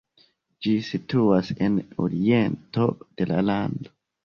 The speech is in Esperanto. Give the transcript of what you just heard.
Ĝi situas en oriento de la lando.